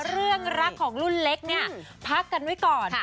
เรื่องรักของรุ่นเล็กเนี่ยพักกันไว้ก่อน